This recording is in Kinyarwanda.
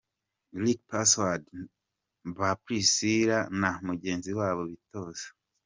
Ricky Paswords ba Priscilah na mugenzi wabo bitoza.